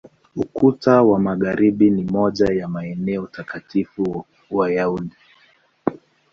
Ukuta wa Magharibi ni moja ya maeneo takatifu Wayahudi.